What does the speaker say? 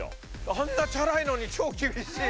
あんなチャラいのに超厳しい！